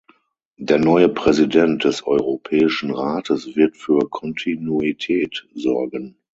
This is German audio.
Der neue Präsident des Europäischen Rates wird für Kontinuität sorgen.